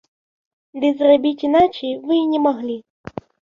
Ды зрабіць іначай вы і не маглі.